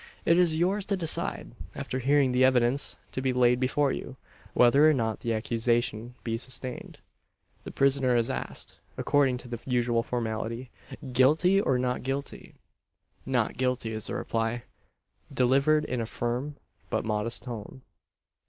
It is yours to decide after hearing the evidence to be laid before you whether or not the accusation be sustained." The prisoner is asked, according to the usual formality, "Guilty, or not guilty?" "Not guilty," is the reply; delivered in a firm, but modest tone.